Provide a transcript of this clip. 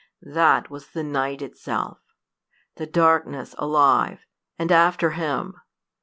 That was the night itself! the darkness alive and after him!